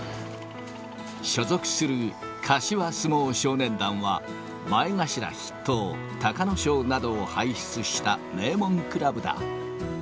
所属する柏相撲少年団は、前頭筆頭、隆の勝などを輩出した名門クラブだ。